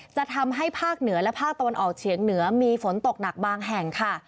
จะทำให้ภาคเหนือและภาคตะวันออกเฉียงเหนือมีฝนตกหนักบางแห่งค่ะ